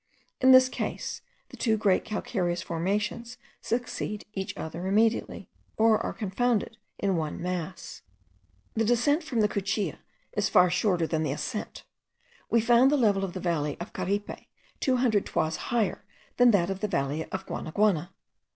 In this case the two great calcareous formations succeed each other immediately, or are confounded in one mass. The descent from the Cuchilla is far shorter than the ascent. We found the level of the valley of Caripe 200 toises higher than that of the valley of Guanaguana.